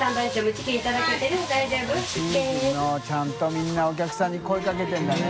みんなお客さんに声かけてるんだね。